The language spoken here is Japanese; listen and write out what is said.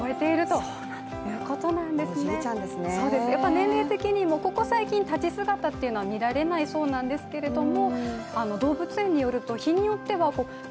年齢的にもここ最近、立ち姿は見られないようなんですけれども。